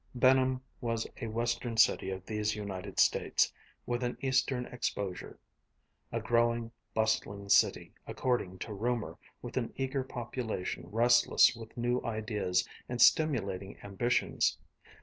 Benham was a western city of these United States, with an eastern exposure; a growing, bustling city according to rumor, with an eager population restless with new ideas and stimulating ambitions.